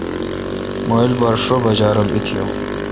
مہ ایلپار شو بجا رل اتییون